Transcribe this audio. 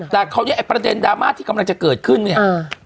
แต่คราวนี้ไอ้ประเด็นดราม่าที่กำลังจะเกิดขึ้นเนี่ย